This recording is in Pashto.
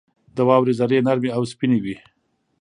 • د واورې ذرې نرمې او سپینې وي.